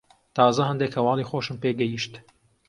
تازە هەندێک هەواڵی خۆشم پێ گەیشت.